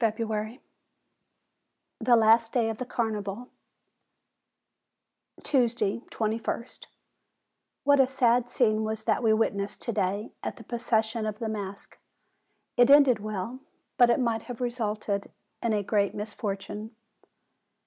150 FEBRUARY THE LAST DAY OF THE CARNIVAL Tuesday, 2ist. What a sad scene was that we witnessed to day at the procession of the masks! It ended well; but it might have resulted in a great misfortune.